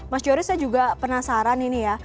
mas yoris saya juga penasaran ini ya